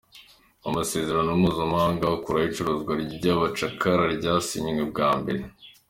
Amasezerano mpuzamahanga akuraho icuruzwa ry’abacakara yarasinywe bwa mbere.